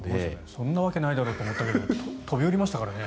そんなわけないだろうと思いましたけど飛び降りましたからね。